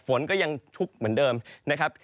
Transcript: ฝนก็ยังชุกเหมือนเดิมนะครับ